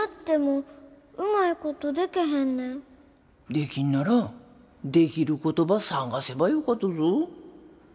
できんならできることば探せばよかとぞ。